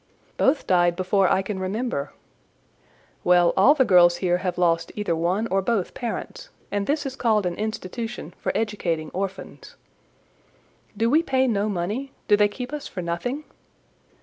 "Both died before I can remember." "Well, all the girls here have lost either one or both parents, and this is called an institution for educating orphans." "Do we pay no money? Do they keep us for nothing?"